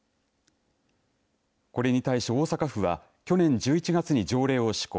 これに対し、大阪府は去年１１月に条例を施行。